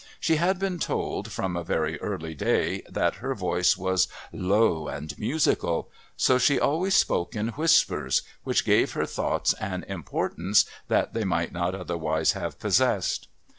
She had been told, from a very early day, that her voice was "low and musical," so she always spoke in whispers which gave her thoughts an importance that they might not otherwise have possessed.